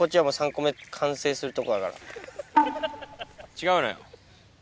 違うのよ。